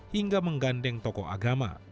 hingga menggandeng tokoh agama